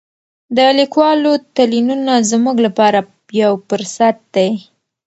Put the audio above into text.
د لیکوالو تلینونه زموږ لپاره یو فرصت دی.